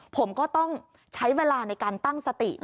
ผมก็ต้องใช้เวลาในการตั้งสติ